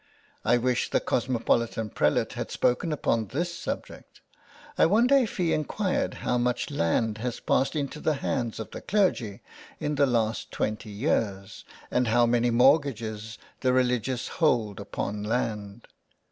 " I wish the cosmo politan prelate had spoken upon this subject. I wonder if he inquired how much land has passed into the hands of the clergy in the last twenty years, and how many mortgages the religious hold upon land.